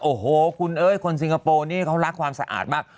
โอ้โหคุณเอ้ยคนสิงคโปร์นี่เขารักความสะอาดมาก